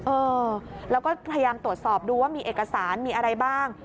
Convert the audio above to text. เออแล้วก็พยายามตรวจสอบดูว่ามีเอกสารมีอะไรบ้าง